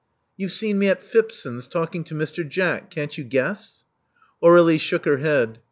'* You've seen me at Phipson's, talking to Mr. Jack. Can't you guess?" Aurdlie shook her head.